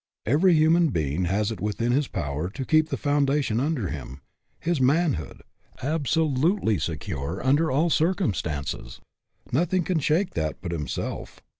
Every human being has it within his power to keep the foundation under him his man hood absolutely secure under all circum stances. Nothing can shake that but himself.